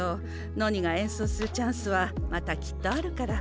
ノニがえんそうするチャンスはまたきっとあるから。